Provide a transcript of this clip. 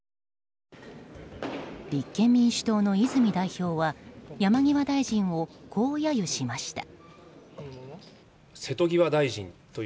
立憲民主党の泉代表は山際大臣を、こう揶揄しました。